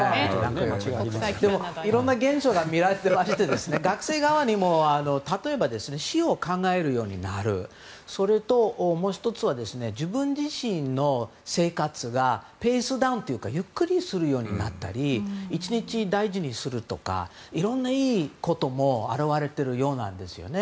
でもいろんな現象がみられていて学生側にも例えば死を考えるようになるとかそれと、もう１つは自分自身の生活がペースダウンというかゆっくりするようになったり１日を大事にするとかいろんないいことも表れているようなんですよね。